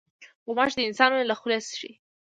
غوماشې د انسان وینه له خولې څښي.